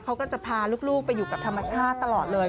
เขาก็จะพาลูกไปอยู่กับธรรมชาติตลอดเลย